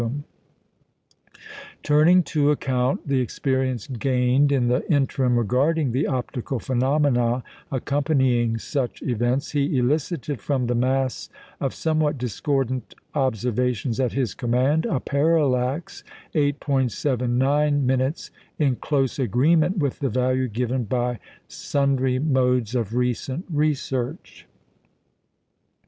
Turning to account the experience gained in the interim regarding the optical phenomena accompanying such events, he elicited from the mass of somewhat discordant observations at his command, a parallax (8·79") in close agreement with the value given by sundry modes of recent research.